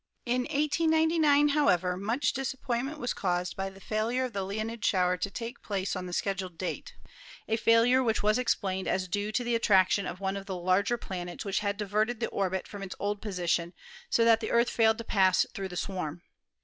In 1899, however, much disappointment was caused by the failure of the Leonid shower to take place on the scheduled date, a failure which was explained as due to the attraction of one of the larger planets which had diverted the orbit from its old position so that the Earth failed to pass through the swarm.